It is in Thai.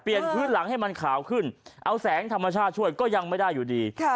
พื้นหลังให้มันขาวขึ้นเอาแสงธรรมชาติช่วยก็ยังไม่ได้อยู่ดี